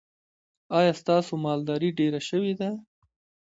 ایا ستاسو مالداري ډیره شوې ده؟